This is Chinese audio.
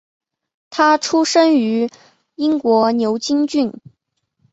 他出生于英国牛津郡。